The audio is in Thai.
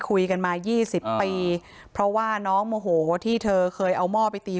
คุยกันมายี่สิบปีเพราะว่าน้องโมโหที่เธอเคยเอาหม้อไปตี